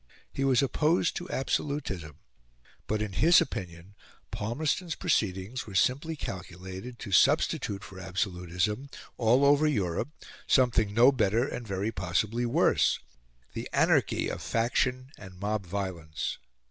He was opposed to absolutism; but in his opinion Palmerston's proceedings were simply calculated to substitute for absolutism, all over Europe, something no better and very possibly worse the anarchy of faction and mob violence.